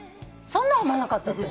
そんなん思わなかった私。